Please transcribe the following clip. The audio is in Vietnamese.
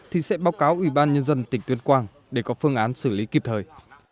thì sẽ báo cáo ủy ban nhân dân tỉnh tuyên quang để có phương án xử lý kịp thời